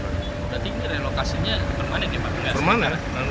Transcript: berarti relokasinya permanen di bangunan